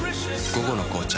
「午後の紅茶」